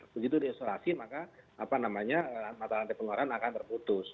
begitu diisolasi maka apa namanya mata lantai pengeluaran akan terputus